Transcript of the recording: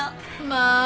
まあ。